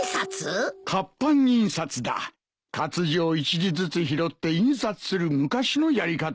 活字を１字ずつ拾って印刷する昔のやり方だ。